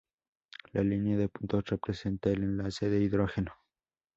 La línea de puntos representa el enlace de hidrógeno.